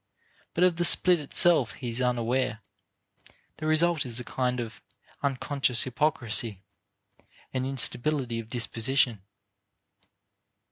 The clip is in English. But of the split itself he is unaware; the result is a kind of unconscious hypocrisy, an instability of disposition.